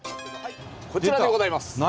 こちらでございます。